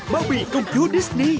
bao bì công chúa disney